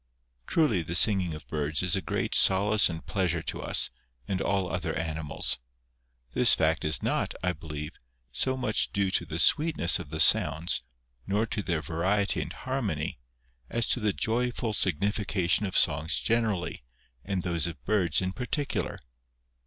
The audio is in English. Truly the singing of birds is a great solace and plea sure to us, and all other animals. This fact is not, I believe, so much due to the sweetness of the sounds, nor to their variety and harmony, as to the joyful significa tion of songs generally, and those of birds in particular.